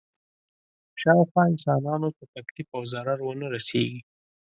شاوخوا انسانانو ته تکلیف او ضرر ونه رسېږي.